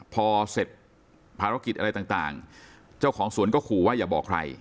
พอเสร็จภารกิจอะไรต่างเจ้าของสวนก็ขู่ว่าอย่าบอกใคร